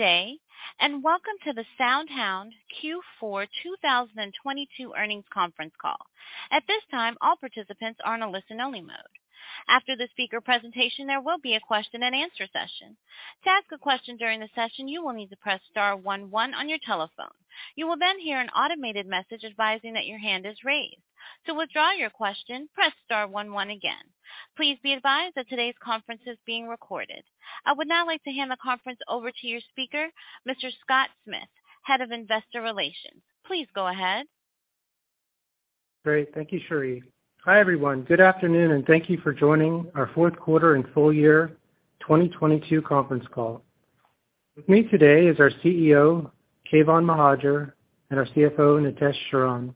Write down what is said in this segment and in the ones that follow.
Good day, and welcome to the SoundHound Q4 2022 earnings conference call. At this time, all participants are in a listen-only mode. After the speaker presentation, there will be a question-and-answer session. To ask a question during the session, you will need to press star one one on your telephone. You will then hear an automated message advising that your hand is raised. To withdraw your question, press star one one again. Please be advised that today's conference is being recorded. I would now like to hand the conference over to your speaker, Mr. Scott Smith, Head of Investor Relations. Please go ahead. Great. Thank you, Cherie. Hi, everyone. Good afternoon. Thank you for joining our fourth quarter and full year 2022 conference call. With me today is our CEO, Keyvan Mohajer, and our CFO, Nitesh Sharan.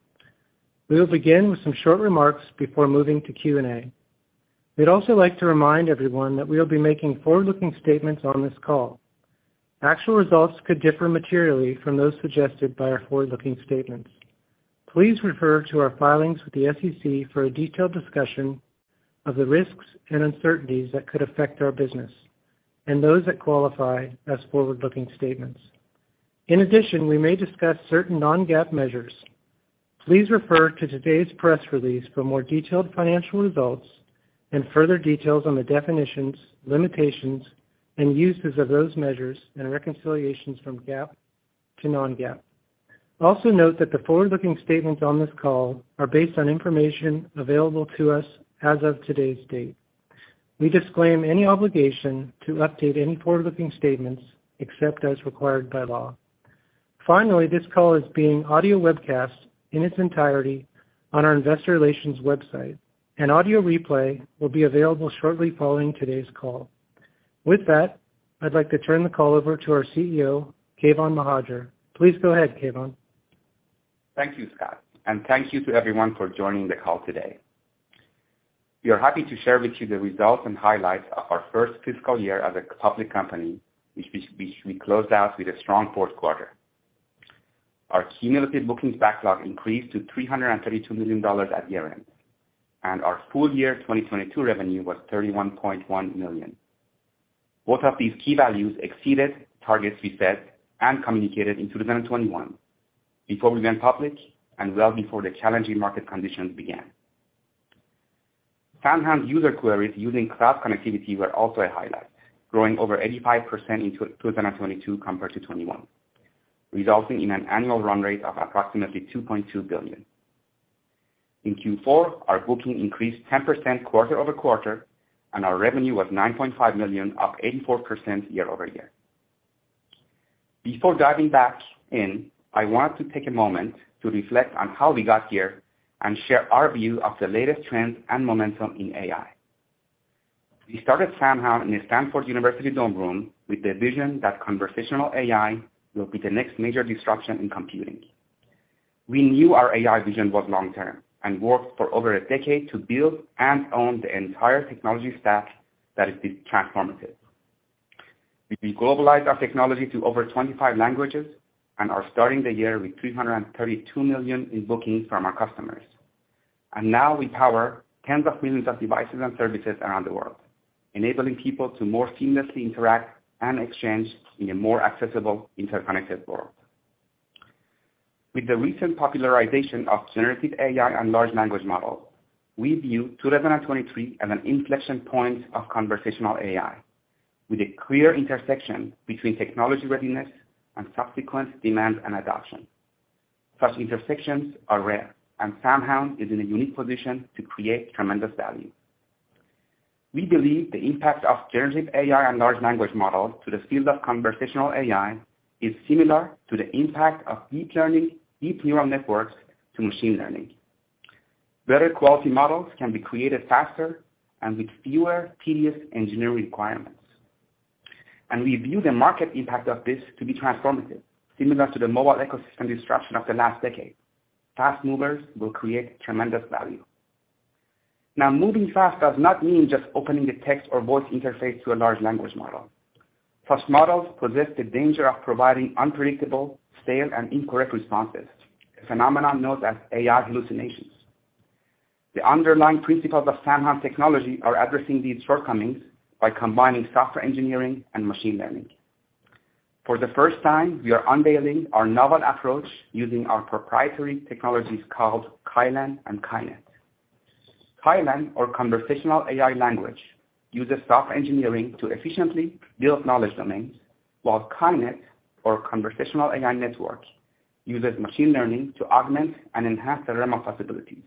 We will begin with some short remarks before moving to Q&A. We'd also like to remind everyone that we'll be making forward-looking statements on this call. Actual results could differ materially from those suggested by our forward-looking statements. Please refer to our filings with the SEC for a detailed discussion of the risks and uncertainties that could affect our business and those that qualify as forward-looking statements. We may discuss certain non-GAAP measures. Please refer to today's press release for more detailed financial results and further details on the definitions, limitations, and uses of those measures and reconciliations from GAAP to non-GAAP. Note that the forward-looking statements on this call are based on information available to us as of today's date. We disclaim any obligation to update any forward-looking statements except as required by law. Finally, this call is being audio webcast in its entirety on our investor relations website. An audio replay will be available shortly following today's call. With that, I'd like to turn the call over to our CEO, Keyvan Mohajer. Please go ahead, Keyvan. Thank you, Scott, thank you to everyone for joining the call today. We are happy to share with you the results and highlights of our first fiscal year as a public company, which we closed out with a strong fourth quarter. Our cumulative bookings backlog increased to $332 million at year-end, our full year 2022 revenue was $31.1 million. Both of these key values exceeded targets we set and communicated in 2021 before we went public well before the challenging market conditions began. SoundHound user queries using cloud connectivity were also a highlight, growing over 85% in 2022 compared to 2021, resulting in an annual run rate of approximately $2.2 billion. In Q4, our booking increased 10% quarter-over-quarter, and our revenue was $9.5 million, up 84% year-over-year. Before diving back in, I want to take a moment to reflect on how we got here and share our view of the latest trends and momentum in AI. We started SoundHound in a Stanford University dorm room with the vision that conversational AI will be the next major disruption in computing. We knew our AI vision was long-term and worked for over a decade to build and own the entire technology stack that is transformative. We globalized our technology to over 25 languages and are starting the year with $332 million in bookings from our customers. Now we power tens of millions of devices and services around the world, enabling people to more seamlessly interact and exchange in a more accessible, interconnected world. With the recent popularization of generative AI and large language models, we view 2023 as an inflection point of conversational AI, with a clear intersection between technology readiness and subsequent demand and adoption. Such intersections are rare, and SoundHound is in a unique position to create tremendous value. We believe the impact of generative AI and large language models to the field of conversational AI is similar to the impact of deep learning, deep neural networks to machine learning. Better quality models can be created faster and with fewer tedious engineering requirements. We view the market impact of this to be transformative, similar to the mobile ecosystem disruption of the last decade. Fast movers will create tremendous value. Now, moving fast does not mean just opening the text or voice interface to a large language model. Such models possess the danger of providing unpredictable, stale, and incorrect responses, a phenomenon known as AI hallucinations. The underlying principles of SoundHound technology are addressing these shortcomings by combining software engineering and machine learning. For the first time, we are unveiling our novel approach using our proprietary technologies called CaiLAN and CaiNET. CaiLAN, or Conversational AI Language, uses software engineering to efficiently build knowledge domains, while CaiNET, or Conversational AI Network, uses machine learning to augment and enhance the realm of possibilities.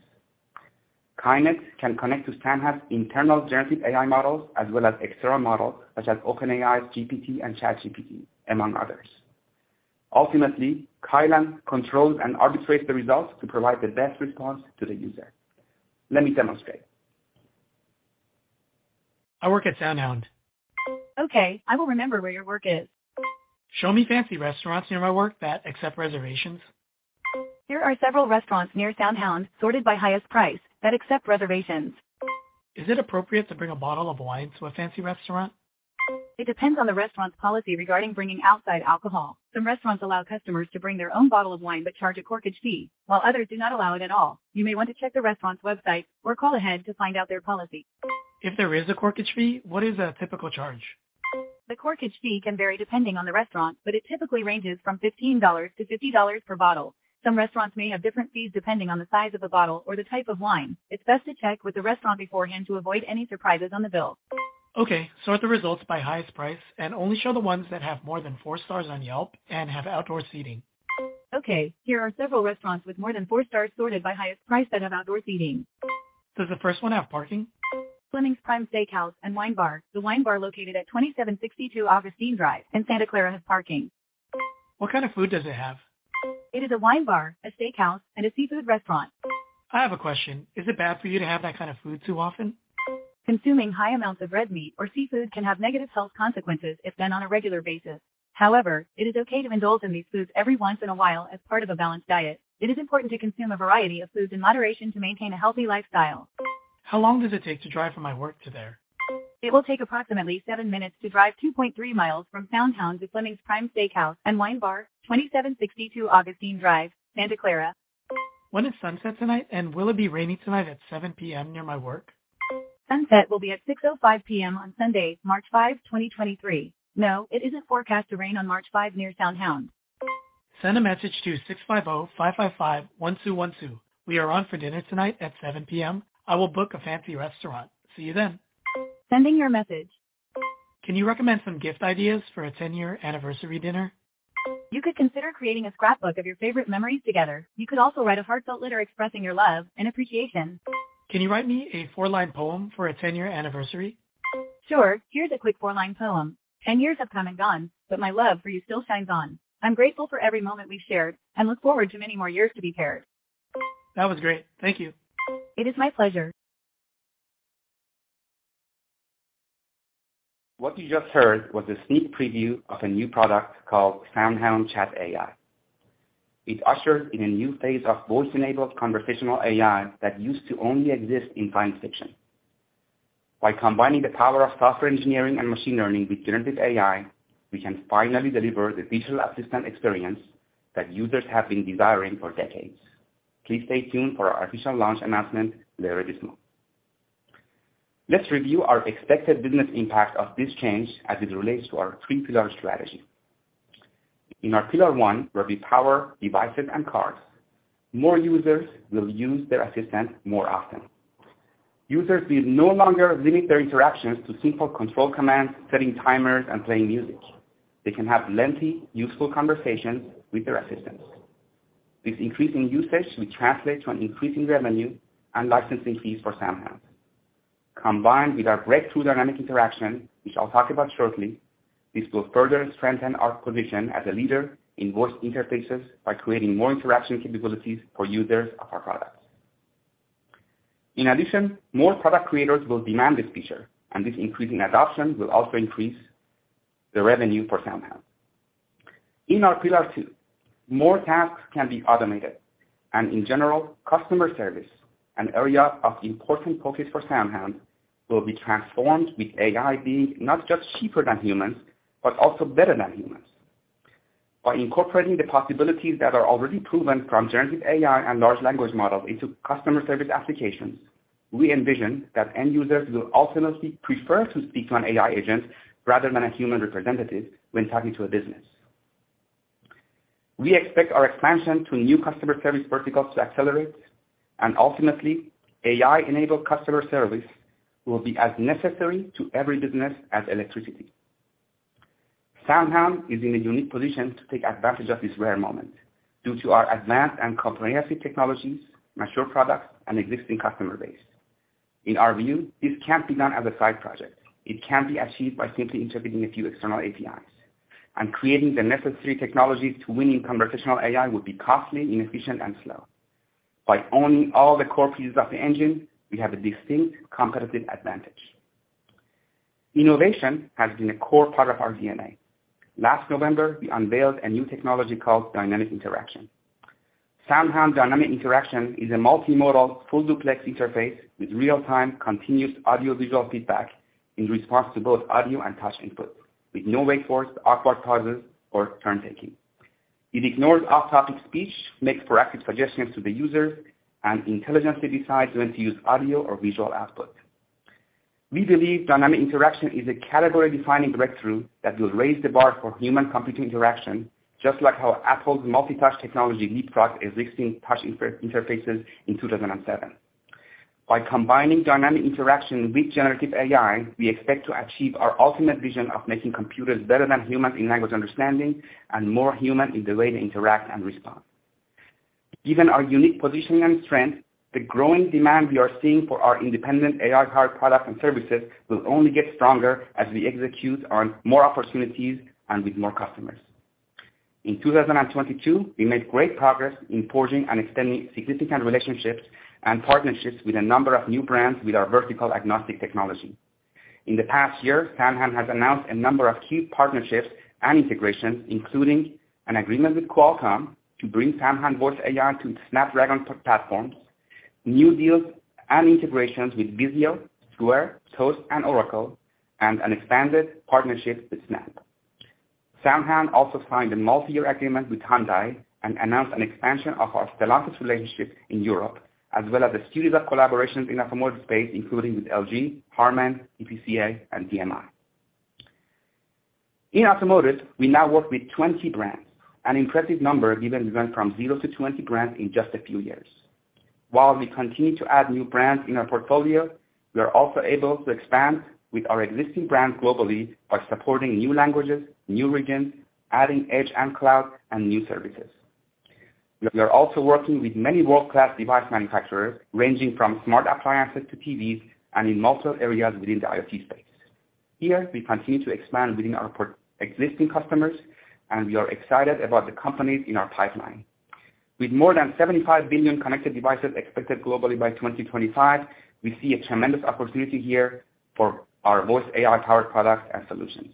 CaiNET can connect to SoundHound's internal generative AI models as well as external models such as OpenAI's GPT and ChatGPT, among others. Ultimately, CaiLAN controls and arbitrates the results to provide the best response to the user. Let me demonstrate. I work at SoundHound. Okay, I will remember where your work is. Show me fancy restaurants near my work that accept reservations. Here are several restaurants near SoundHound, sorted by highest price, that accept reservations. Is it appropriate to bring a bottle of wine to a fancy restaurant? It depends on the restaurant's policy regarding bringing outside alcohol. Some restaurants allow customers to bring their own bottle of wine but charge a corkage fee, while others do not allow it at all. You may want to check the restaurant's website or call ahead to find out their policy. If there is a corkage fee, what is a typical charge? The corkage fee can vary depending on the restaurant, but it typically ranges from $15-$50 per bottle. Some restaurants may have different fees depending on the size of the bottle or the type of wine. It's best to check with the restaurant beforehand to avoid any surprises on the bill. Okay. Sort the results by highest price and only show the ones that have more than four stars on Yelp and have outdoor seating. Okay, here are several restaurants with more than four stars sorted by highest price and have outdoor seating. Does the first one have parking? Fleming's Prime Steakhouse & Wine Bar, the wine bar located at 2762 Augustine Drive in Santa Clara has parking. What kind of food does it have? It is a wine bar, a steakhouse, and a seafood restaurant. I have a question. Is it bad for you to have that kind of food too often? Consuming high amounts of red meat or seafood can have negative health consequences if done on a regular basis. However, it is okay to indulge in these foods every once in a while as part of a balanced diet. It is important to consume a variety of foods in moderation to maintain a healthy lifestyle. How long does it take to drive from my work to there? It will take approximately seven minutes to drive 2.3 miles from SoundHound to Fleming's Prime Steakhouse & Wine Bar, 2762 Augustine Drive, Santa Clara. When is sunset tonight, and will it be raining tonight at 7 P.M. near my work? Sunset will be at 6:05 P.M. on Sunday, March 5, 2023. No, it isn't forecast to rain on March 5 near SoundHound. Send a message to 650-555-1212. We are on for dinner tonight at 7:00 P.M. I will book a fancy restaurant. See you then. Sending your message. Can you recommend some gift ideas for a 10-year anniversary dinner? You could consider creating a scrapbook of your favorite memories together. You could also write a heartfelt letter expressing your love and appreciation. Can you write me a four-line poem for a 10-year anniversary? Sure, here's a quick four-line poem. Ten years have come and gone, but my love for you still shines on. I'm grateful for every moment we've shared and look forward to many more years to be paired. That was great. Thank you. It is my pleasure. What you just heard was a sneak preview of a new product called SoundHound Chat AI. It ushered in a new phase of voice-enabled conversational AI that used to only exist in science fiction. By combining the power of software engineering and machine learning with generative AI, we can finally deliver the visual assistant experience that users have been desiring for decades. Please stay tuned for our official launch announcement later this month. Let's review our expected business impact of this change as it relates to our three-pillar strategy. In our pillar one, where we power devices and cars, more users will use their assistant more often. Users will no longer limit their interactions to simple control commands, setting timers, and playing music. They can have lengthy, useful conversations with their assistants. This increasing usage should translate to an increasing revenue and licensing fees for SoundHound. Combined with our breakthrough Dynamic Interaction, which I'll talk about shortly, this will further strengthen our position as a leader in voice interfaces by creating more interaction capabilities for users of our products. In addition, more product creators will demand this feature, and this increase in adoption will also increase the revenue for SoundHound AI. In our pillar two, more tasks can be automated, and in general, customer service, an area of important focus for SoundHound AI, will be transformed, with AI being not just cheaper than humans, but also better than humans. By incorporating the possibilities that are already proven from generative AI and large language models into customer service applications, we envision that end users will ultimately prefer to speak to an AI agent rather than a human representative when talking to a business. We expect our expansion to new customer service verticals to accelerate, ultimately, AI-enabled customer service will be as necessary to every business as electricity. SoundHound is in a unique position to take advantage of this rare moment due to our advanced and comprehensive technologies, mature products, and existing customer base. In our view, this can't be done as a side project. It can't be achieved by simply interpreting a few external APIs. Creating the necessary technologies to winning conversational AI would be costly, inefficient, and slow. By owning all the core pieces of the engine, we have a distinct competitive advantage. Innovation has been a core part of our DNA. Last November, we unveiled a new technology called Dynamic Interaction. SoundHound Dynamic Interaction is a multimodal full-duplex interface with real-time continuous audio-visual feedback in response to both audio and touch input, with no wait force, awkward pauses, or turn-taking. It ignores off-topic speech, makes proactive suggestions to the user, and intelligently decides when to use audio or visual output. We believe Dynamic Interaction is a category-defining breakthrough that will raise the bar for human-computer interaction, just like how Apple's multi-touch technology leapfrogged existing touch inter-interfaces in 2007. By combining Dynamic Interaction with generative AI, we expect to achieve our ultimate vision of making computers better than humans in language understanding and more human in the way they interact and respond. Given our unique positioning and strength, the growing demand we are seeing for our independent AI car products and services will only get stronger as we execute on more opportunities and with more customers. In 2022, we made great progress in forging and extending significant relationships and partnerships with a number of new brands with our vertical agnostic technology. In the past year, SoundHound has announced a number of key partnerships and integrations, including an agreement with Qualcomm to bring SoundHound Voice AI to its Snapdragon platforms, new deals and integrations with VIZIO, Square, Toast, and Oracle, and an expanded partnership with Snap. SoundHound also signed a multiyear agreement with Hyundai and announced an expansion of our Stellantis relationship in Europe, as well as a series of collaborations in automotive space, including with LG, Harman, EPCA, and DMI. In automotive, we now work with 20 brands, an impressive number given we went from zero to 20 brands in just a few years. While we continue to add new brands in our portfolio, we are also able to expand with our existing brands globally by supporting new languages, new regions, adding edge and cloud, and new services. We are also working with many world-class device manufacturers, ranging from smart appliances to TVs and in multiple areas within the IoT space. Here, we continue to expand within our existing customers, and we are excited about the companies in our pipeline. With more than 75 billion connected devices expected globally by 2025, we see a tremendous opportunity here for our voice AI-powered products and solutions.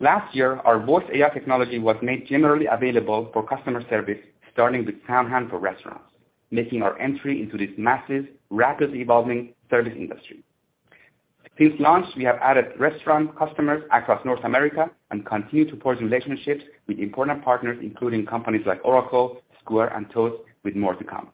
Last year, our voice AI technology was made generally available for customer service, starting with SoundHound for Restaurants, making our entry into this massive, rapidly evolving service industry. Since launch, we have added restaurant customers across North America and continue to forge relationships with important partners, including companies like Oracle, Square, and Toast, with more to come.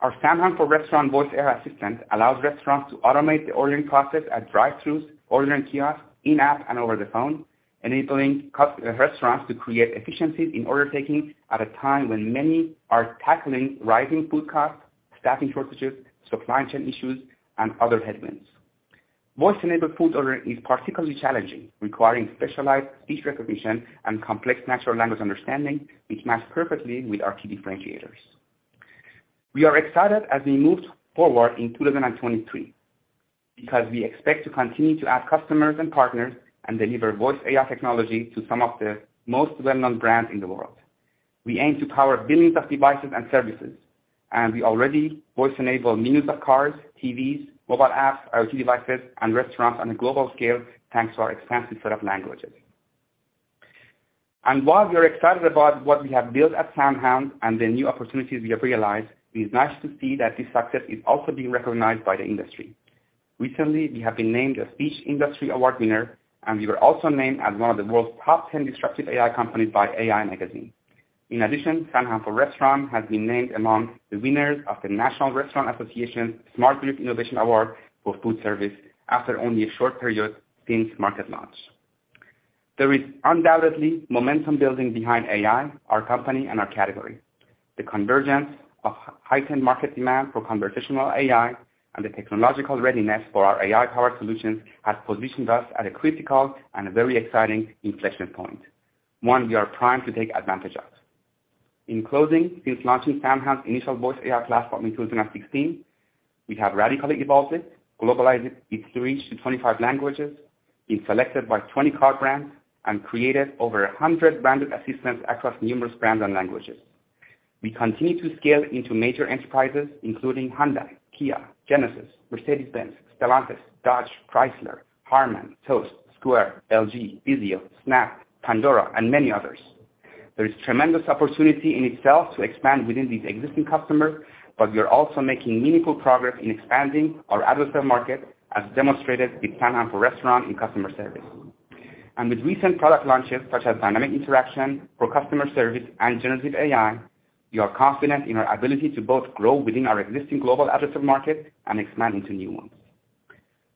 Our SoundHound for Restaurants voice AI assistant allows restaurants to automate the ordering process at drive-throughs, ordering kiosks, in-app, and over the phone, enabling restaurants to create efficiencies in order taking at a time when many are tackling rising food costs, staffing shortages, supply chain issues, and other headwinds. Voice-enabled food ordering is particularly challenging, requiring specialized speech recognition and complex natural language understanding, which match perfectly with our key differentiators. We are excited as we move forward in 2023 because we expect to continue to add customers and partners and deliver voice AI technology to some of the most well-known brands in the world. We aim to power billions of devices and services, and we already voice-enable millions of cars, TVs, mobile apps, IoT devices, and restaurants on a global scale, thanks to our expansive set of languages. While we are excited about what we have built at SoundHound and the new opportunities we have realized, it is nice to see that this success is also being recognized by the industry. Recently, we have been named a Speech Industry Award winner, and we were also named as one of the world's top 10 disruptive AI companies by AI Magazine. In addition, SoundHound for Restaurants has been named among the winners of the National Restaurant Association SmartBrief Innovation Award for food service after only a short period since market launch. There is undoubtedly momentum building behind AI, our company, and our category. The convergence of heightened market demand for conversational AI and the technological readiness for our AI-powered solutions has positioned us at a critical and a very exciting inflection point, one we are primed to take advantage of. In closing, since launching SoundHound's initial voice AI platform in 2016, we have radically evolved it, globalized it, its reach to 25 languages, been selected by 20 car brands, and created over 100 branded assistants across numerous brands and languages. We continue to scale into major enterprises, including Hyundai, Kia, Genesis, Mercedes-Benz, Stellantis, Dodge, Chrysler, Harman, Toast, Square, LG, VIZIO, Snap, Pandora, and many others. There is tremendous opportunity in itself to expand within these existing customers, but we are also making meaningful progress in expanding our addressable market, as demonstrated with SoundHound for Restaurants in customer service. With recent product launches, such as Dynamic Interaction for customer service and generative AI, we are confident in our ability to both grow within our existing global addressable market and expand into new ones.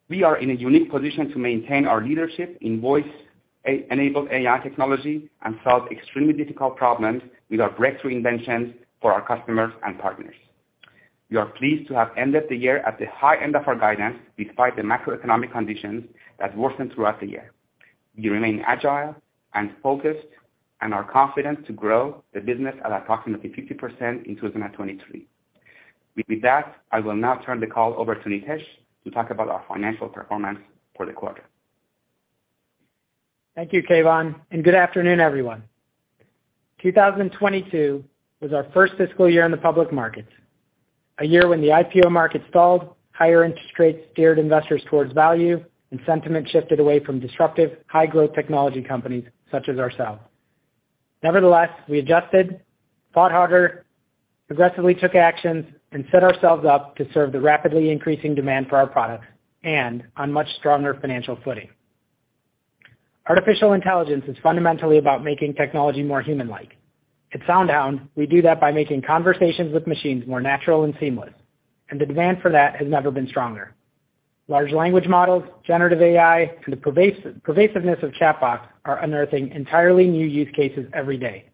We are in a unique position to maintain our leadership in voice-enabled AI technology and solve extremely difficult problems with our breakthrough inventions for our customers and partners. We are pleased to have ended the year at the high end of our guidance despite the macroeconomic conditions that worsened throughout the year. We remain agile and focused and are confident to grow the business at approximately 50% in 2023. With that, I will now turn the call over to Nitesh to talk about our financial performance for the quarter. Thank you, Keyvan, and good afternoon, everyone. 2022 was our first fiscal year in the public markets, a year when the IPO market stalled, higher interest rates steered investors towards value, and sentiment shifted away from disruptive, high-growth technology companies such as ourselves. Nevertheless, we adjusted, thought harder, progressively took actions, and set ourselves up to serve the rapidly increasing demand for our products and on much stronger financial footing. Artificial intelligence is fundamentally about making technology more human-like. At SoundHound, we do that by making conversations with machines more natural and seamless, and the demand for that has never been stronger. Large language models, generative AI, and the pervasiveness of chatbots are unearthing entirely new use cases every day.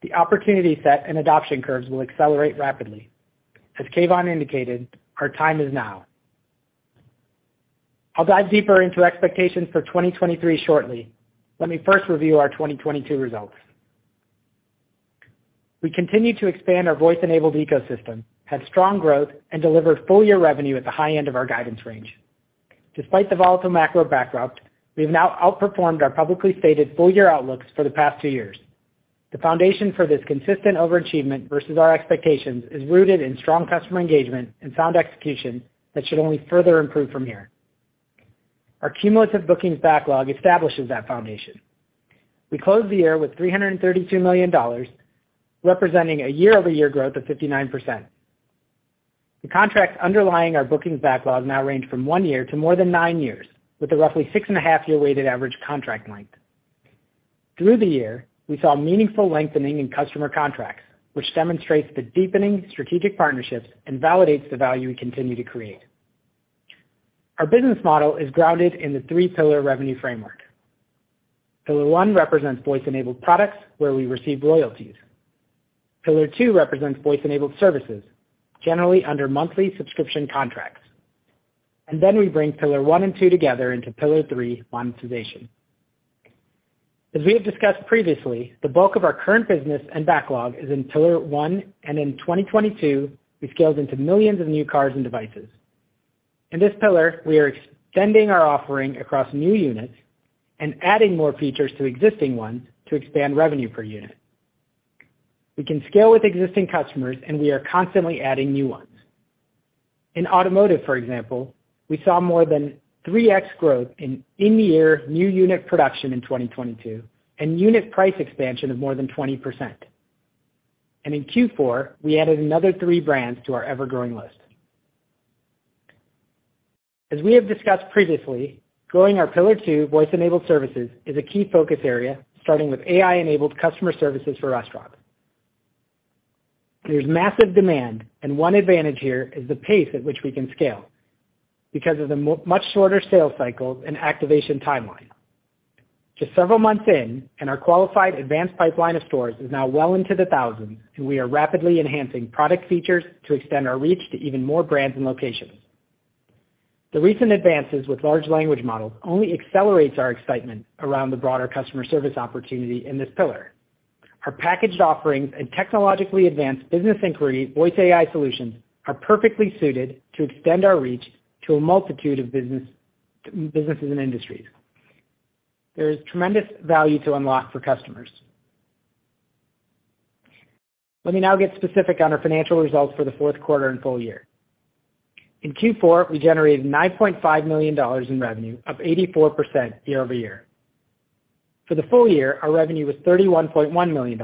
The opportunity set and adoption curves will accelerate rapidly. As Keyvan indicated, our time is now. I'll dive deeper into expectations for 2023 shortly. Let me first review our 2022 results. We continued to expand our voice-enabled ecosystem, had strong growth, and delivered full-year revenue at the high end of our guidance range. Despite the volatile macro backdrop, we have now outperformed our publicly stated full-year outlooks for the past two years. The foundation for this consistent overachievement versus our expectations is rooted in strong customer engagement and sound execution that should only further improve from here. Our cumulative bookings backlog establishes that foundation. We closed the year with $332 million, representing a year-over-year growth of 59%. The contracts underlying our bookings backlog now range from one year to more than nine years, with a roughly 6.5 year weighted average contract length. Through the year, we saw meaningful lengthening in customer contracts, which demonstrates the deepening strategic partnerships and validates the value we continue to create. Our business model is grounded in the three-pillar revenue framework. Pillar one represents voice-enabled products where we receive royalties. Pillar two represents voice-enabled services, generally under monthly subscription contracts. We bring pillar one and two together into pillar three monetization. As we have discussed previously, the bulk of our current business and backlog is in pillar one. In 2022, we scaled into millions of new cars and devices. In this pillar, we are extending our offering across new units and adding more features to existing ones to expand revenue per unit. We can scale with existing customers, and we are constantly adding new ones. In automotive, for example, we saw more than 3x growth in in-year new unit production in 2022 and unit price expansion of more than 20%. In Q4, we added another three brands to our ever-growing list. As we have discussed previously, growing our pillar two voice-enabled services is a key focus area, starting with AI-enabled customer services for restaurant. There's massive demand, and one advantage here is the pace at which we can scale because of the much shorter sales cycles and activation timeline. Just several months in, and our qualified advanced pipeline of stores is now well into the thousands, and we are rapidly enhancing product features to extend our reach to even more brands and locations. The recent advances with large language models only accelerates our excitement around the broader customer service opportunity in this pillar. Our packaged offerings and technologically advanced business inquiry voice AI solutions are perfectly suited to extend our reach to a multitude of businesses and industries. There is tremendous value to unlock for customers. Let me now get specific on our financial results for the fourth quarter and full year. In Q4, we generated $9.5 million in revenue, up 84% year-over-year. For the full year, our revenue was $31.1 million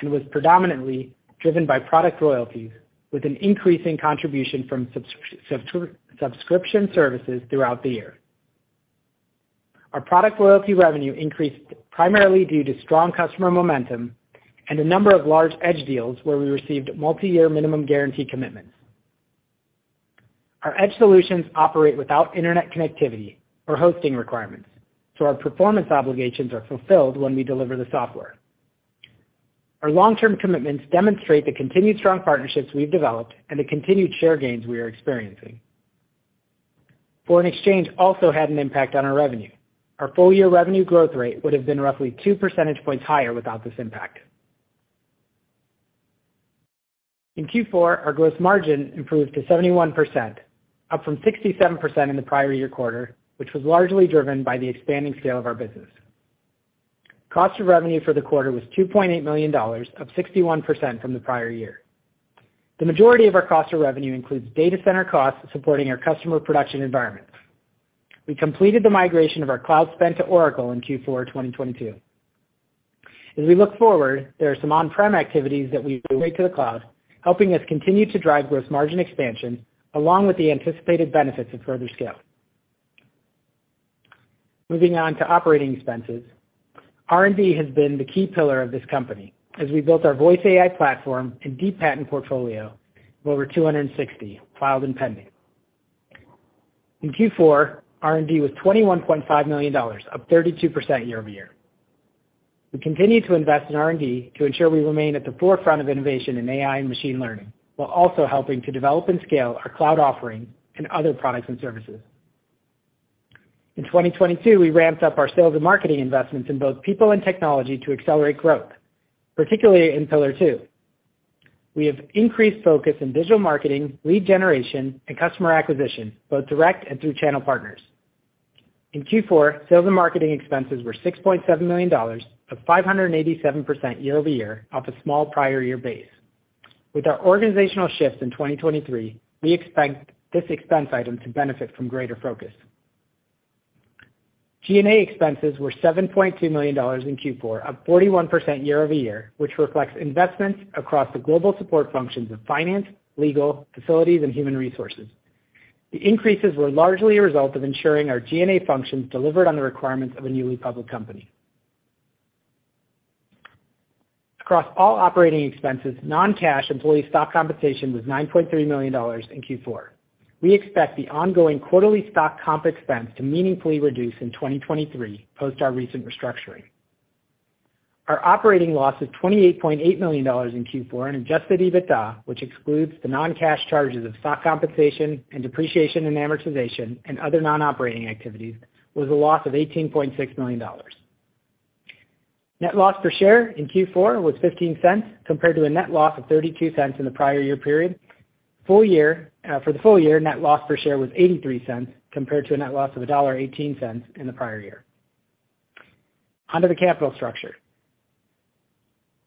and was predominantly driven by product royalties with an increasing contribution from subscription services throughout the year. Our product royalty revenue increased primarily due to strong customer momentum and a number of large edge deals where we received multiyear minimum guarantee commitments. Our edge solutions operate without internet connectivity or hosting requirements, so our performance obligations are fulfilled when we deliver the software. Our long-term commitments demonstrate the continued strong partnerships we've developed and the continued share gains we are experiencing. Foreign exchange also had an impact on our revenue. Our full-year revenue growth rate would have been roughly two percentage points higher without this impact. In Q4, our gross margin improved to 71%, up from 67% in the prior year quarter, which was largely driven by the expanding scale of our business. Cost of revenue for the quarter was $2.8 million, up 61% from the prior year. The majority of our cost of revenue includes data center costs supporting our customer production environments. We completed the migration of our cloud spend to Oracle in Q4 2022. As we look forward, there are some on-prem activities that we migrate to the cloud, helping us continue to drive gross margin expansion along with the anticipated benefits of further scale. Moving on to operating expenses. R&D has been the key pillar of this company as we built our voice AI platform and deep patent portfolio of over 260 filed and pending. In Q4, R&D was $21.5 million, up 32% year-over-year. We continue to invest in R&D to ensure we remain at the forefront of innovation in AI and machine learning, while also helping to develop and scale our cloud offerings and other products and services. In 2022, we ramped up our sales and marketing investments in both people and technology to accelerate growth, particularly in pillar 2. We have increased focus in digital marketing, lead generation, and customer acquisition, both direct and through channel partners. In Q4, sales and marketing expenses were $6.7 million, up 587% year-over-year off a small prior year base. With our organizational shifts in 2023, we expect this expense item to benefit from greater focus. G&A expenses were $7.2 million in Q4, up 41% year-over-year, which reflects investments across the global support functions of finance, legal, facilities, and human resources. The increases were largely a result of ensuring our G&A functions delivered on the requirements of a newly public company. Across all operating expenses, non-cash employee stock compensation was $9.3 million in Q4. We expect the ongoing quarterly stock comp expense to meaningfully reduce in 2023 post our recent restructuring. Our operating loss is $28.8 million in Q4. Adjusted EBITDA, which excludes the non-cash charges of stock compensation and depreciation and amortization and other non-operating activities, was a loss of $18.6 million. Net loss per share in Q4 was $0.15 compared to a net loss of $0.32 in the prior year period. For the full year, net loss per share was $0.83 compared to a net loss of $1.18 in the prior year. On to the capital structure.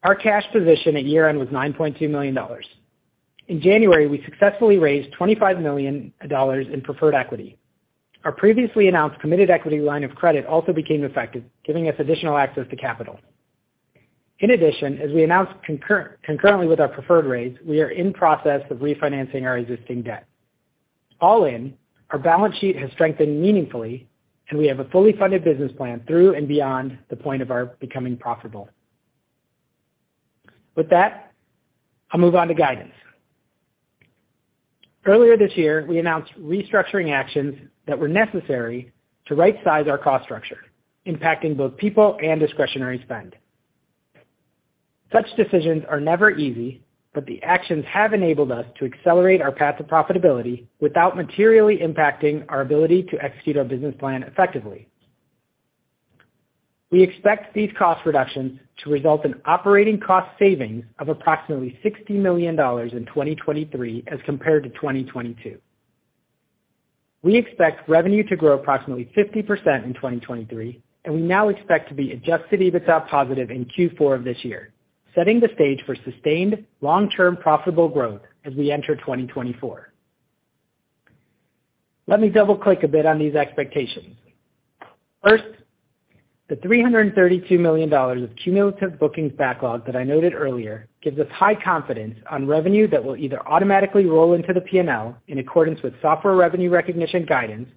Our cash position at year-end was $9.2 million. In January, we successfully raised $25 million in preferred equity. Our previously announced committed equity line of credit also became effective, giving us additional access to capital. In addition, as we announced concurrently with our preferred raise, we are in process of refinancing our existing debt. All in, our balance sheet has strengthened meaningfully, and we have a fully funded business plan through and beyond the point of our becoming profitable. With that, I'll move on to guidance. Earlier this year, we announced restructuring actions that were necessary to rightsize our cost structure, impacting both people and discretionary spend. Such decisions are never easy, but the actions have enabled us to accelerate our path to profitability without materially impacting our ability to execute our business plan effectively. We expect these cost reductions to result in operating cost savings of approximately $60 million in 2023 as compared to 2022. We expect revenue to grow approximately 50% in 2023, and we now expect to be adjusted EBITDA positive in Q4 of this year, setting the stage for sustained long-term profitable growth as we enter 2024. Let me double-click a bit on these expectations. The $332 million of cumulative bookings backlog that I noted earlier gives us high confidence on revenue that will either automatically roll into the P&L in accordance with software revenue recognition guidance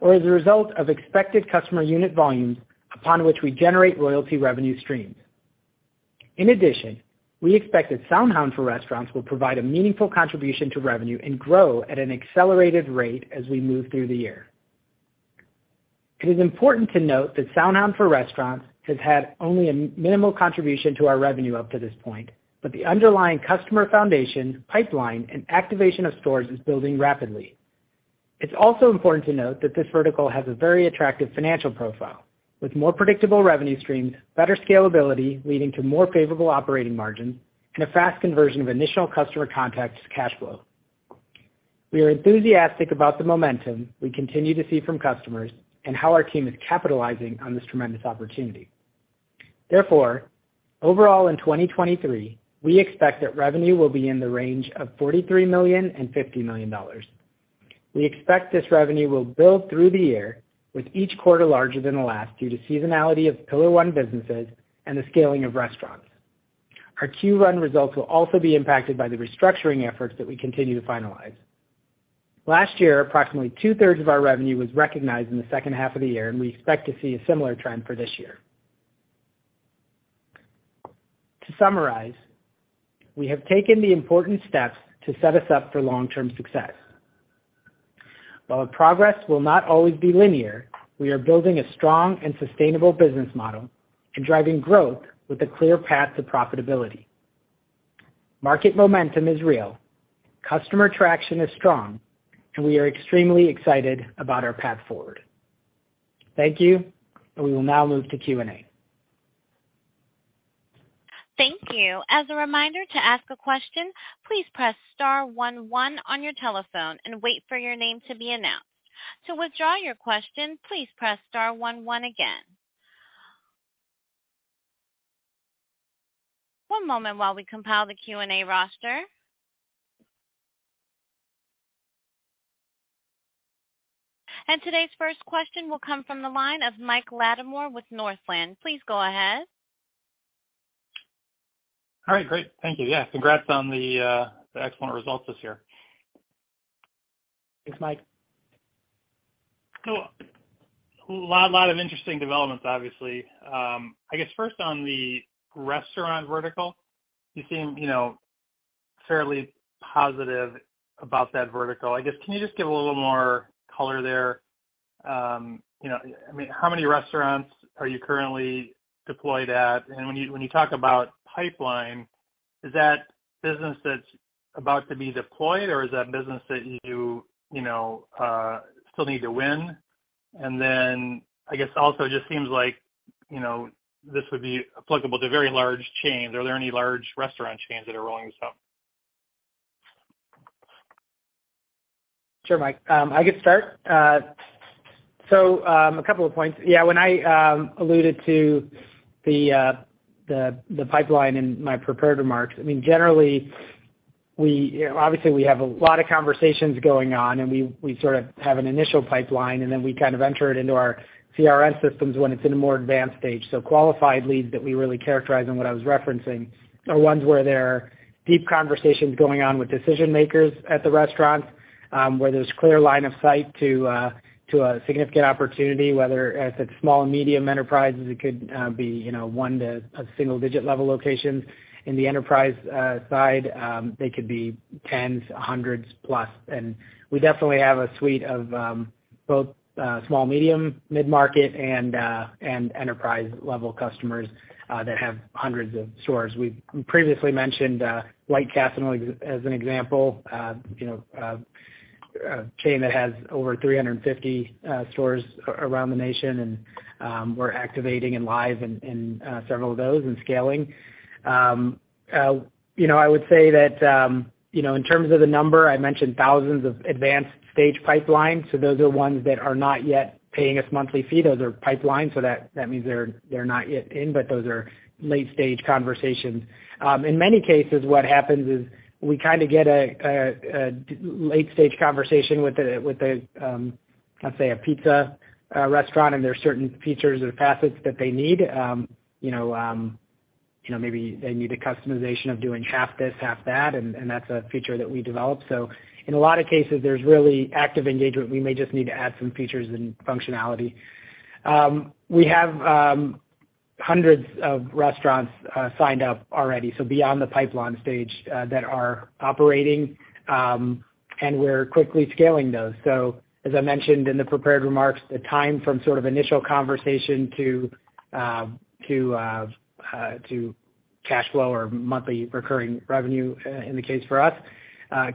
or as a result of expected customer unit volumes upon which we generate royalty revenue streams. We expect that SoundHound for Restaurants will provide a meaningful contribution to revenue and grow at an accelerated rate as we move through the year. It is important to note that SoundHound for Restaurants has had only a minimal contribution to our revenue up to this point, but the underlying customer foundation, pipeline, and activation of stores is building rapidly. It's also important to note that this vertical has a very attractive financial profile with more predictable revenue streams, better scalability leading to more favorable operating margins, and a fast conversion of initial customer contacts to cash flow. We are enthusiastic about the momentum we continue to see from customers and how our team is capitalizing on this tremendous opportunity. Therefore, overall in 2023, we expect that revenue will be in the range of $43 million-$50 million. We expect this revenue will build through the year, with each quarter larger than the last due to seasonality of pillar one businesses and the scaling of restaurants. Our Q1 results will also be impacted by the restructuring efforts that we continue to finalize. Last year, approximately two-thirds of our revenue was recognized in the second half of the year. We expect to see a similar trend for this year. To summarize, we have taken the important steps to set us up for long-term success. While the progress will not always be linear, we are building a strong and sustainable business model and driving growth with a clear path to profitability. Market momentum is real, customer traction is strong. We are extremely excited about our path forward. Thank you. We will now move to Q&A. Thank you. As a reminder to ask a question, please press star one one on your telephone and wait for your name to be announced. To withdraw your question, please press star one one again. One moment while we compile the Q&A roster. Today's first question will come from the line of Mike Latimore with Northland. Please go ahead. All right, great. Thank you. Yeah, congrats on the excellent results this year. Thanks, Mike. A lot of interesting developments, obviously. I guess first on the restaurant vertical, you seem, you know, fairly positive about that vertical. I guess, can you just give a little more color there? You know, I mean, how many restaurants are you currently deployed at? When you, when you talk about pipeline, is that business that's about to be deployed or is that business that you know, still need to win? Then I guess also it just seems like, you know, this would be applicable to very large chains. Are there any large restaurant chains that are rolling this out? Sure, Mike. I could start. A couple of points. Yeah, when I alluded to the the the pipeline in my prepared remarks, I mean, generally we, you know, obviously we have a lot of conversations going on, and we sort of have an initial pipeline, and then we kind of enter it into our CRM systems when it's in a more advanced stage. Qualified leads that we really characterize in what I was referencing are ones where there are deep conversations going on with decision-makers at the restaurants, where there's clear line of sight to to a significant opportunity, whether as it's small and medium enterprises, it could be, you know, one to a single digit level locations. In the enterprise side, they could be tens, hundreds+. We definitely have a suite of both small, medium, mid-market and enterprise-level customers that have hundreds of stores. We've previously mentioned White Castle as an example. You know, a chain that has over 350 stores around the nation. We're activating and live in several of those and scaling. You know, I would say that, you know, in terms of the number, I mentioned thousands of advanced stage pipeline. Those are ones that are not yet paying us monthly fee. Those are pipeline. That means they're not yet in, but those are late-stage conversations. In many cases, what happens is we kind of get a late-stage conversation with a let's say a pizza restaurant. There are certain features or facets that they need. You know, maybe they need a customization of doing half this, half that, and that's a feature that we developed. In a lot of cases, there's really active engagement. We may just need to add some features and functionality. We have hundreds of restaurants signed up already, so beyond the pipeline stage that are operating, and we're quickly scaling those. As I mentioned in the prepared remarks, the time from sort of initial conversation to cash flow or monthly recurring revenue in the case for us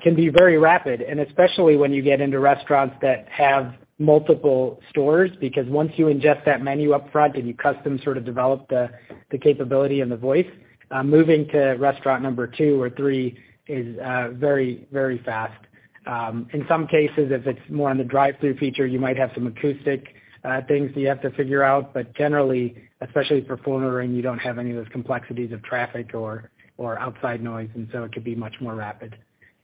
can be very rapid. Especially when you get into restaurants that have multiple stores. Once you ingest that menu upfront and you custom sort of develop the capability and the voice, moving to restaurant number two or three is very, very fast. In some cases, if it's more on the drive-thru feature, you might have some acoustic things that you have to figure out, but generally, especially for full ordering, you don't have any of those complexities of traffic or outside noise, and so it could be much more rapid.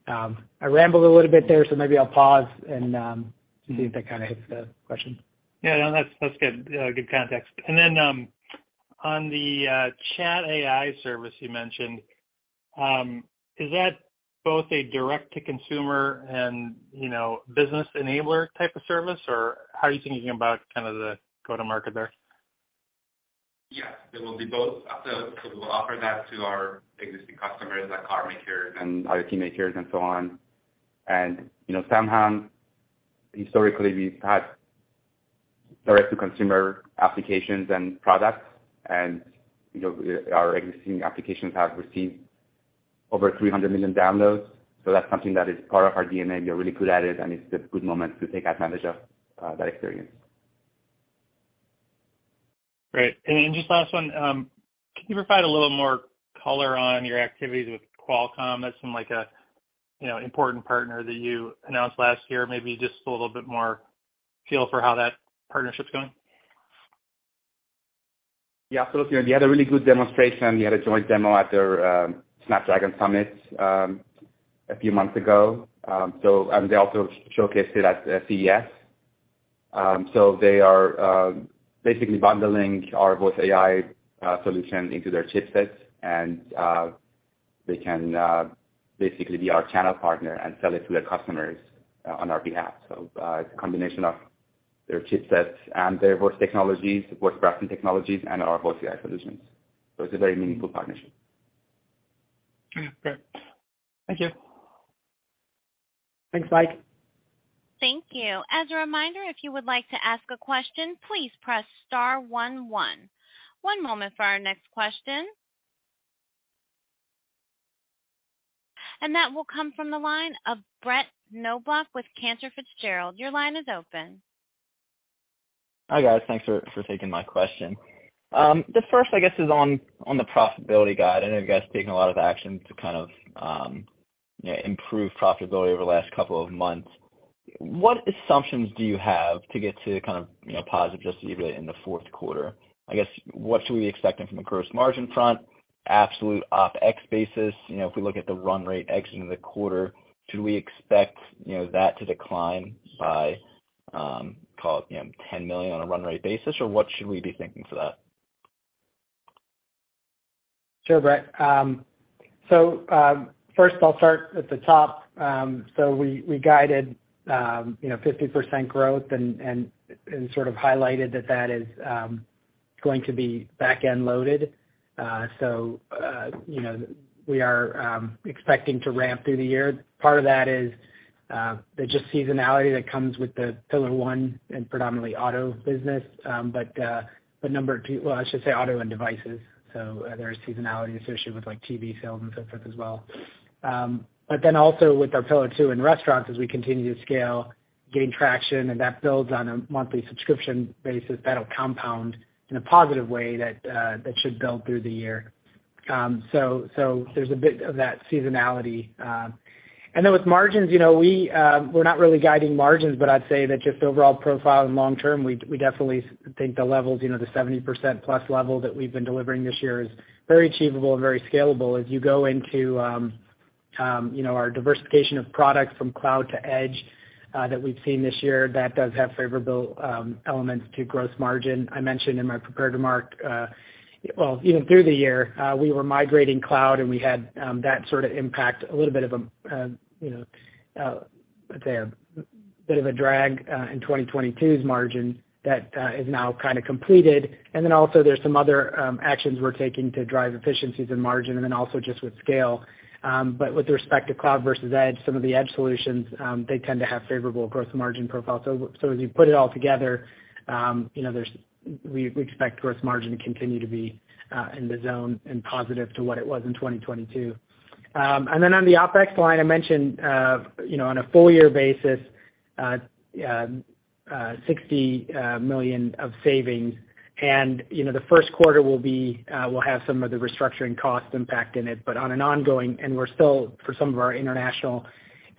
I rambled a little bit there, so maybe I'll pause and see if that kinda hits the question. Yeah, no. That's good context. On the SoundHound Chat AI service you mentioned, is that both a direct to consumer and, you know, business enabler type of service? Or how are you thinking about kind of the go-to-market there? Yeah. It will be both. We'll offer that to our existing customers, like car makers and IoT makers and so on. You know, SoundHound, historically, we've had direct to consumer applications and products. You know, our existing applications have received over 300 million downloads. That's something that is part of our DNA. We are really good at it, and it's a good moment to take advantage of that experience. Great. Just last one, can you provide a little more color on your activities with Qualcomm? That seemed like a, you know, important partner that you announced last year. Maybe just a little bit more feel for how that partnership's going. Yeah, absolutely. We had a really good demonstration. We had a joint demo at their Snapdragon Summit a few months ago. They also showcased it at CES. They are basically bundling our Voice AI solution into their chipsets, and they can basically be our channel partner and sell it to their customers on our behalf. It's a combination of their chipsets and their voice technologies, voice recognition technologies, and our Voice AI solutions. It's a very meaningful partnership. Okay. Great. Thank you. Thanks, Mike. Thank you. As a reminder, if you would like to ask a question, please press star one one. One moment for our next question. That will come from the line of Brett Knoblauch with Cantor Fitzgerald. Your line is open. Hi, guys. Thanks for taking my question. The first I guess is on the profitability guide. I know you guys have taken a lot of action to kind of, you know, improve profitability over the last couple of months. What assumptions do you have to get to kind of, you know, positive adjusted EBITDA in the fourth quarter? I guess, what should we be expecting from the gross margin front, absolute OpEx basis? You know, if we look at the run rate exiting the quarter, should we expect, you know, that to decline by, call it, you know, $10 million on a run rate basis, or what should we be thinking for that? Sure, Brett. First I'll start at the top. We guided, you know, 50% growth and sort of highlighted that that is going to be back-end loaded. You know, we are expecting to ramp through the year. Part of that is the just seasonality that comes with the pillar 1 and predominantly auto business. Number 2, well, I should say auto and devices. There is seasonality associated with like TV sales and so forth as well. Also with our pillar 2 in restaurants, as we continue to scale, gain traction, and that builds on a monthly subscription basis that'll compound in a positive way that should build through the year. There's a bit of that seasonality. Then with margins, you know, we're not really guiding margins, but I'd say that just overall profile and long term, we definitely think the levels, you know, the 70% plus level that we've been delivering this year is very achievable and very scalable. As you go into, you know, our diversification of products from cloud to edge, that we've seen this year, that does have favorable elements to gross margin. I mentioned in my prepared remark, well, you know, through the year, we were migrating cloud, and we had that sort of impact a little bit of a, you know, a bit of a drag, in 2022's margin that is now kinda completed. Also there's some other actions we're taking to drive efficiencies and margin just with scale. With respect to cloud versus edge, some of the edge solutions, they tend to have favorable gross margin profiles. As you put it all together, you know, we expect gross margin to continue to be in the zone and positive to what it was in 2022. On the OpEx line, I mentioned, you know, on a full year basis, $60 million of savings. The first quarter will have some of the restructuring cost impact in it, but on an ongoing, and we're still, for some of our international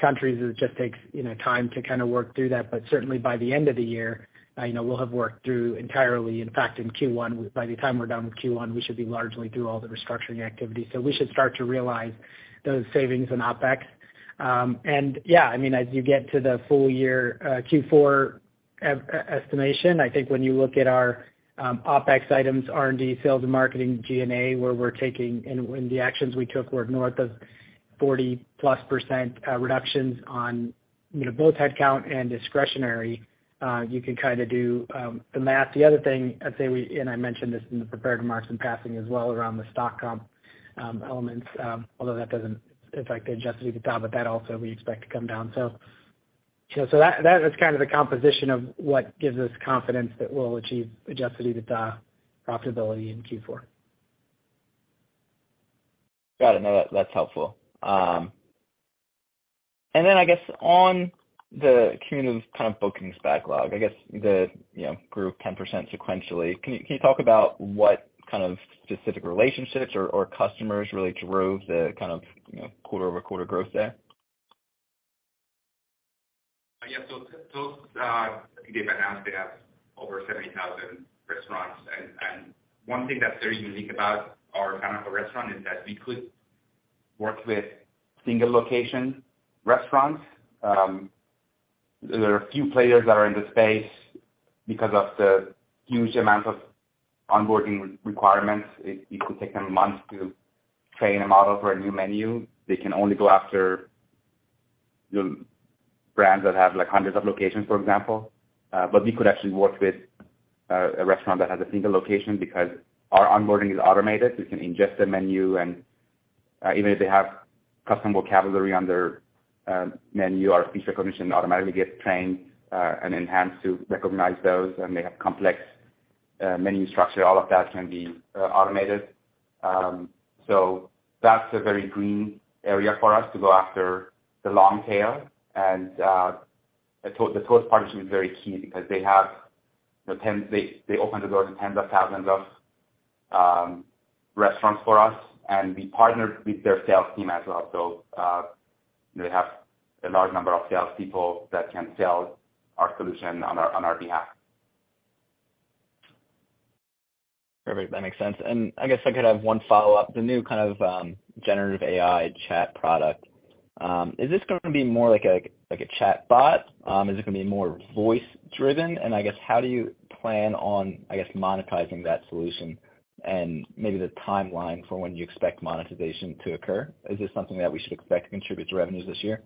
countries, it just takes, you know, time to kinda work through that. Certainly by the end of the year, you know, we'll have worked through entirely. In fact, in Q1, by the time we're done with Q1, we should be largely through all the restructuring activities. We should start to realize those savings in OpEx. Yeah, I mean, as you get to the full year, Q4E estimation. I think when you look at our OpEx items, R&D, sales and marketing, G&A, where we're taking and when the actions we took were north of 40+% reductions on, you know, both headcount and discretionary, you can kind of do the math. The other thing I'd say we, and I mentioned this in the prepared remarks in passing as well, around the stock comp elements, although that doesn't affect the adjusted EBITDA, that also we expect to come down. So that is kind of the composition of what gives us confidence that we'll achieve adjusted EBITDA profitability in Q4. Got it. No, that's helpful. Then I guess on the cumulative kind of bookings backlog, I guess the, you know, grew 10% sequentially. Can you talk about what kind of specific relationships or customers really drove the kind of, you know, quarter-over-quarter growth there? Yeah. I think they've announced they have over 70,000 restaurants. One thing that's very unique about our kind of a restaurant is that we could work with single location restaurants. There are a few players that are in the space because of the huge amount of onboarding requirements. It could take them months to train a model for a new menu. They can only go after the brands that have, like, hundreds of locations, for example. We could actually work with a restaurant that has a single location because our onboarding is automated. We can ingest the menu and even if they have custom vocabulary on their menu, our feature recognition automatically gets trained and enhanced to recognize those when they have complex menu structure. All of that can be automated. That's a very green area for us to go after the long tail. The Toast partnership is very key because they have, you know, they open the door to tens of thousands of restaurants for us. We partnered with their sales team as well. They have a large number of salespeople that can sell our solution on our behalf. Perfect. That makes sense. I guess I could have one follow-up. The new kind of, generative AI chat product, is this gonna be more like a chatbot? Is it gonna be more voice driven? How do you plan on, I guess, monetizing that solution and maybe the timeline for when you expect monetization to occur? Is this something that we should expect to contribute to revenues this year?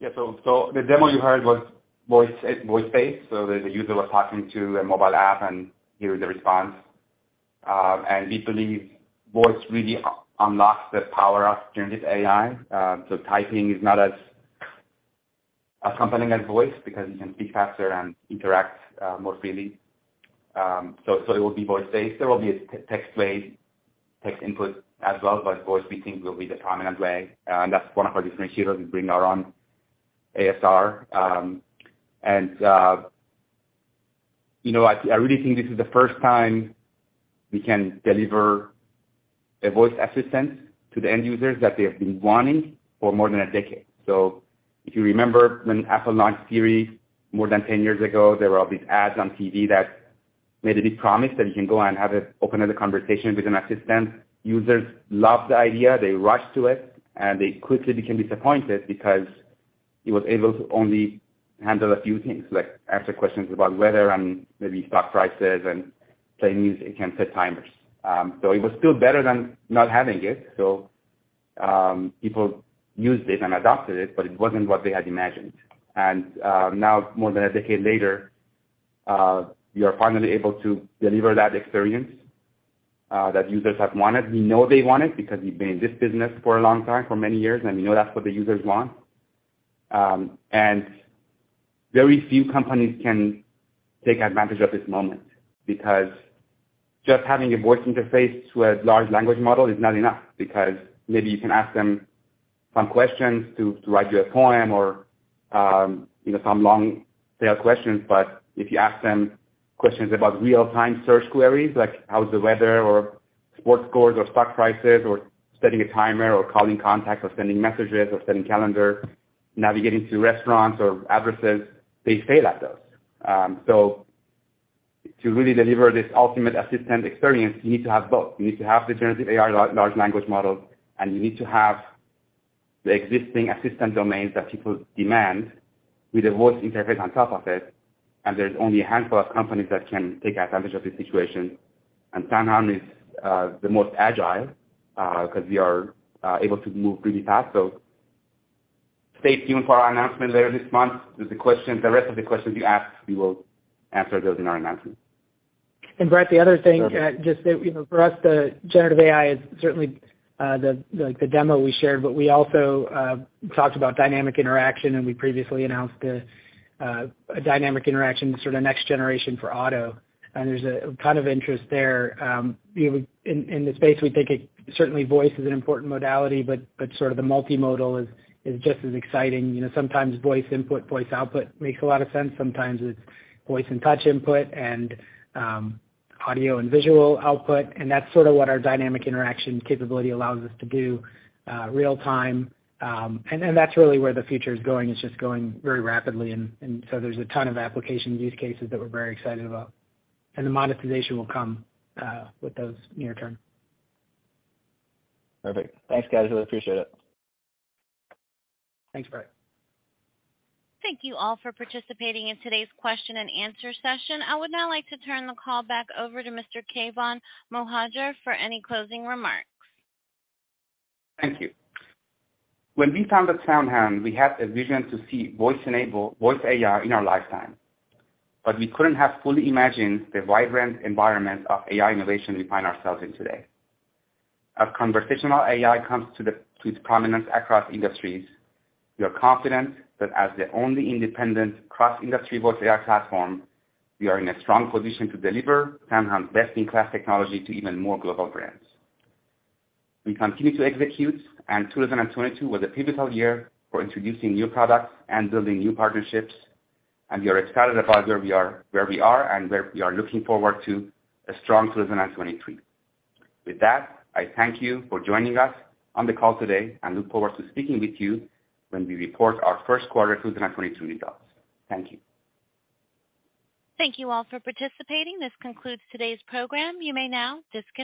The demo you heard was voice-based, the user was talking to a mobile app and hear the response. We believe voice really unlocks the power of generative AI. Typing is not as compelling as voice because you can speak faster and interact more freely. It will be voice-based. There will be a text-based text input as well, but voice, we think, will be the dominant way. That's one of our differentiators. We bring our own ASR. You know, I really think this is the first time we can deliver a voice assistant to the end users that they have been wanting for more than a decade. If you remember when Apple launched Siri more than 10 years ago, there were all these ads on TV that made a big promise that you can go and have it open up a conversation with an assistant. Users loved the idea. They rushed to it, and they quickly became disappointed because it was able to only handle a few things, like answer questions about weather and maybe stock prices and play music and set timers. It was still better than not having it. People used it and adopted it, but it wasn't what they had imagined. Now more than a decade later, we are finally able to deliver that experience that users have wanted. We know they want it because we've been in this business for a long time, for many years, and we know that's what the users want. Very few companies can take advantage of this moment because just having a voice interface to a large language model is not enough because maybe you can ask them some questions to write you a poem or, you know, some long tail questions. If you ask them questions about real-time search queries, like how's the weather or sports scores or stock prices or setting a timer or calling contacts or sending messages or setting calendar, navigating to restaurants or addresses, they fail at those. To really deliver this ultimate assistant experience, you need to have both. You need to have the generative AI large language models, and you need to have the existing assistant domains that people demand with a voice interface on top of it. There's only a handful of companies that can take advantage of this situation. SoundHound is the most agile 'cause we are able to move really fast. Stay tuned for our announcement later this month. The questions, the rest of the questions you asked, we will answer those in our announcement. Brett, the other thing, just that, you know, for us, the generative AI is certainly, the, like the demo we shared, but we also talked about Dynamic Interaction, and we previously announced a Dynamic Interaction sort of next generation for auto. There's a ton of interest there. You know, in the space, we think certainly voice is an important modality, but sort of the multimodal is just as exciting. You know, sometimes voice input, voice output makes a lot of sense. Sometimes it's voice and touch input and audio and visual output, and that's sort of what our Dynamic Interaction capability allows us to do real-time. That's really where the future is going. It's just going very rapidly. So there's a ton of application use cases that we're very excited about. The monetization will come with those near term. Perfect. Thanks, guys. Really appreciate it. Thanks, Brett. Thank you all for participating in today's question and answer session. I would now like to turn the call back over to Mr. Keyvan Mohajer for any closing remarks. Thank you. When we founded SoundHound, we had a vision to see Voice AI in our lifetime, but we couldn't have fully imagined the vibrant environment of AI innovation we find ourselves in today. As conversational AI comes to prominence across industries, we are confident that as the only independent cross-industry Voice AI platform, we are in a strong position to deliver SoundHound's best-in-class technology to even more global brands. We continue to execute, 2022 was a pivotal year for introducing new products and building new partnerships, We are excited about where we are and where we are looking forward to a strong 2023. With that, I thank you for joining us on the call today and look forward to speaking with you when we report our first quarter 2023 results. Thank you. Thank you all for participating. This concludes today's program. You may now disconnect.